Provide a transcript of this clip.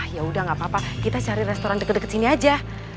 ya udah gak apa apa kita cari restoran deket deket sini aja